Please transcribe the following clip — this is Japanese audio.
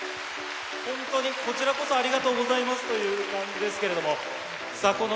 本当にこちらこそありがとうございますという感じですけれども。